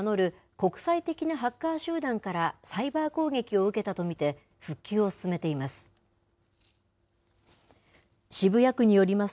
国際的なハッカー集団からサイバー攻撃を受けたと見て、復旧を進めています。